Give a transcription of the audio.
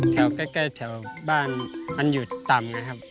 แถวใกล้แถวบ้านมันอยู่ต่ำนะครับ